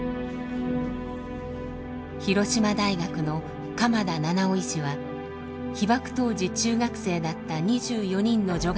広島大学の鎌田七男医師は被爆当時中学生だった２４人の女